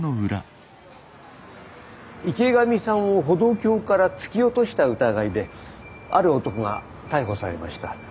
池上さんを歩道橋から突き落とした疑いである男が逮捕されました。